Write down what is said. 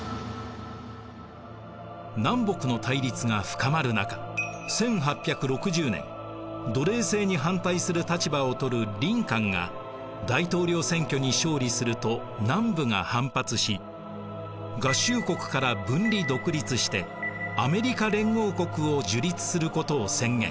南北の対立が深まる中１８６０年奴隷制に反対する立場をとるリンカンが大統領選挙に勝利すると南部が反発し合衆国から分離独立してアメリカ連合国を樹立することを宣言。